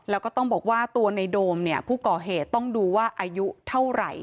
แล้วก็ต้องบอกว่าตัวในโดมเนี่ยผู้ก่อเหตุต้องดูว่าอายุเท่าไหร่